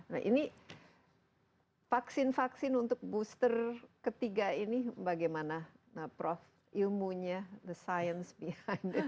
nah ini vaksin vaksin untuk booster ketiga ini bagaimana prof ilmunya the science behinder